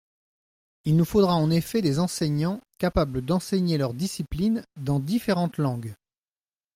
Il nous faudra en effet des enseignants capables d’enseigner leur discipline dans différentes langues.